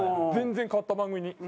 全然変わった番組に。